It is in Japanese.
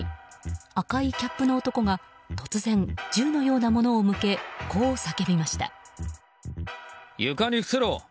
赤いキャップの男が突然、銃のようなものを向けこう叫びました。